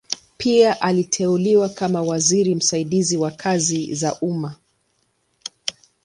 Pia aliteuliwa kama waziri msaidizi wa kazi za umma.